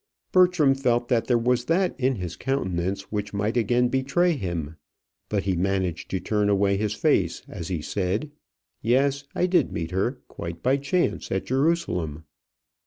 Bertram felt that there was that in his countenance which might again betray him; but he managed to turn away his face as he said, "Yes, I did meet her, quite by chance, at Jerusalem."